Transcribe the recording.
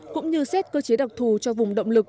cũng như xét cơ chế đặc thù cho vùng động lực